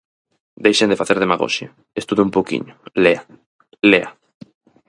Deixen de facer demagoxia, estude un pouquiño, lea, lea.